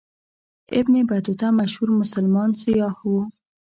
ابن بطوطه مشهور مسلمان سیاح و.